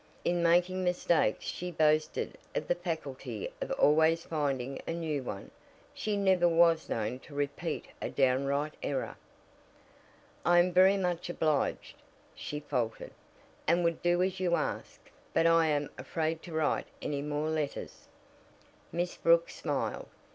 In making mistakes she boasted of the faculty of always finding a new one she never was known to repeat a downright error. "I am very much obliged," she faltered, "and would do as you ask, but I am afraid to write any more letters." Miss Brooks smiled.